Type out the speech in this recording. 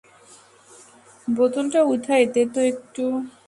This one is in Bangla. বোতলটা উঠায় দে তো একটু।